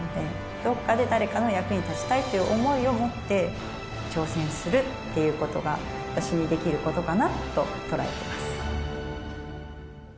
どこかで誰かの役に立ちたいという想いを持って、挑戦するっていうことが、私にできることかなと捉えてます。